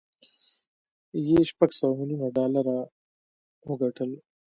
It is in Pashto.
یې شپږ سوه ميليونه ډالر وګټل